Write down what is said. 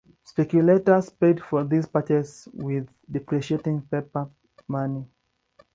Speculators paid for these purchases with depreciating paper money.